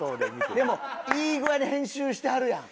でもいい具合に編集してはるやん。